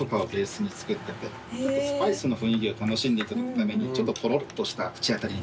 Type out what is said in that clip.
スパイスの雰囲気を楽しんでいただくためにちょっととろっとした口当たりに。